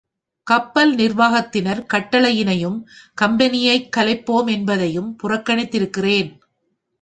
கப்பல் நிர்வாகத்தினர் கட்டளையினையும் கம்பெனியைக் கலைப்போம் என்பதையும் புறக்கணிக்கின்றேன்.